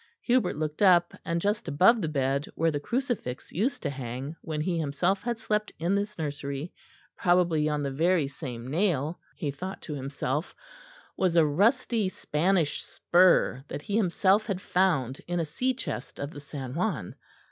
Hubert looked up, and just above the bed, where the crucifix used to hang when he himself had slept in this nursery, probably on the very same nail, he thought to himself, was a rusty Spanish spur that he himself had found in a sea chest of the San Juan.